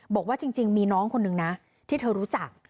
บอกว่าจริงมีน้องคนนึงนะที่เธอรู้จัก